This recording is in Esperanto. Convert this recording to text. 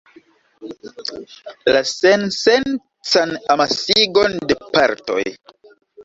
La sensencan amasigon de partoj.